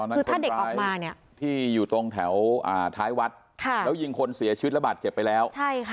ตอนนั้นคนร้ายที่อยู่ตรงแถวท้ายวัดแล้วยิงคนเสียชีวิตระบัดเจ็บไปแล้ว